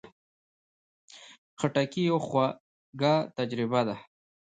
خټکی یوه خواږه تجربه ده.